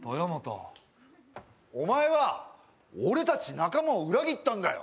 お前は俺たち仲間を裏切ったんだよ。